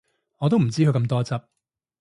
我都唔知佢咁多汁